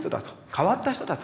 変わった人だと。